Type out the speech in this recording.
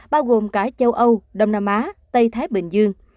bao gồm cả châu âu đông nam á tây thái bình dương